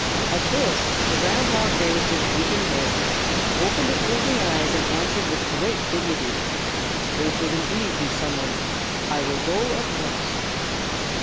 At this, the Ground Hog raised his drooping head, opened his blinking eyes, and answered with great dignity: "There should indeed be someone. I will go at once."